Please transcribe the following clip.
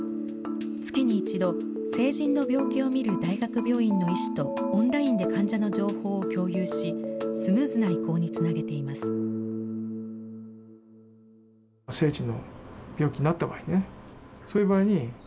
月に１度、成人の病気を診る大学病院の医師とオンラインで患者の情報を共有し、スムーズな移行につなげています。